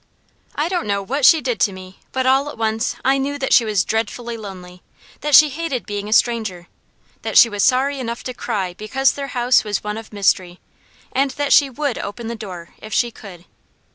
I don't know what she did to me, but all at once I knew that she was dreadfully lonely; that she hated being a stranger; that she was sorry enough to cry because their house was one of mystery, and that she would open the door if she could.